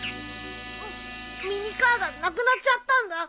ミニカーがなくなっちゃったんだ。